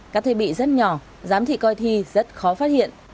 các thiết bị rất nhỏ giám thị coi thi rất khó phát hiện